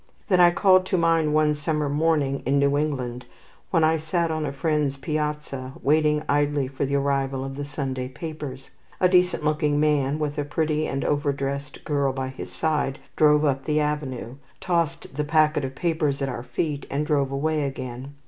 Then I called to mind one summer morning in New England, when I sat on a friend's piazza, waiting idly for the arrival of the Sunday papers. A decent looking man, with a pretty and over dressed girl by his side, drove up the avenue, tossed the packet of papers at our feet, and drove away again.